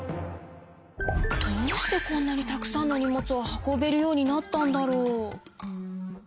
どうしてこんなにたくさんの荷物を運べるようになったんだろう？